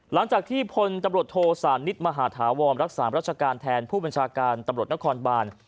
หลังจากที่พลตำรวจโทสานิทมหาธาวรรักษารัชการแทนผู้บัญชาการตำรวจนครบาน